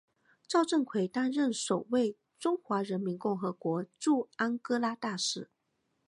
赵振魁担任首位中华人民共和国驻安哥拉大使。